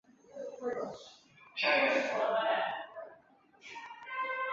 布里基斯是位于美国阿肯色州李县的一个非建制地区。